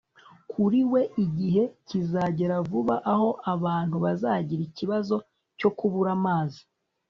Kuri we igihe kizagera vuba aho abantu bazagira ikibazo cyo kubura amazi